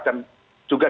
dan juga diantaranya